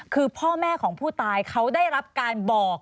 คือพ่อแม่ของผู้ตายเขาได้รับการบอก